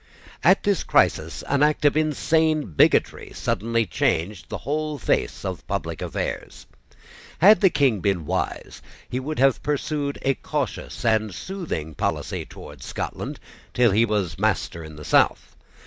At this crisis an act of insane bigotry suddenly changed the whole face of public affairs. Had the King been wise, he would have pursued a cautious and soothing policy towards Scotland till he was master in the South.